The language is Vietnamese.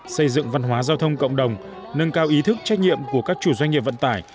xây dựng văn hóa giao thông cộng đồng nâng cao ý thức trách nhiệm của các chủ doanh nghiệp vận tải